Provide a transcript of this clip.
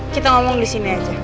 kita ngomong disini aja